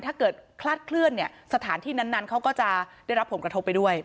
ถ้าเกิดคลาดเคลื่อนเนี่ยสถานที่นั้นเขาก็จะได้รับผลกระทบไปด้วย